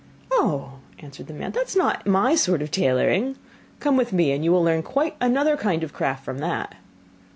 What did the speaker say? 'Oh!' answered the man, 'that is not my sort of tailoring; come with me, and you will learn quite another kind of craft from that.